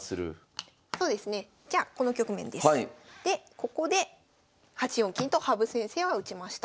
ここで８四金と羽生先生は打ちました。